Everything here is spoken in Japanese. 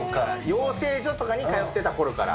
養成所とかに通ってたころから。